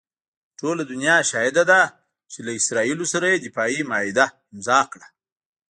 ټوله دنیا شاهده ده چې له اسراییلو سره یې دفاعي معاهده امضاء کړه.